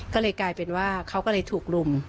ก็เลยกลายเป็นว่าเขาก็เลยถูกรุม